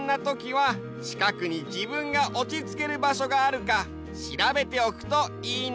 はちかくに自分がおちつける場所があるかしらべておくといいんだよ。